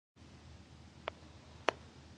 الکترودونه د هیپوکمپس سره نښلول شوي دي.